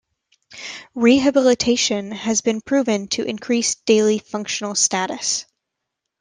Rehabilitation has been proven to increase daily functional status.